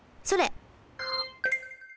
それ。